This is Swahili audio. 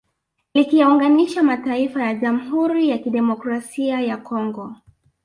Likiyaunganisha mataifa ya Jamhuri ya Kidemokrasi ya Kongo